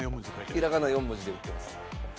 ひらがな４文字で売ってます。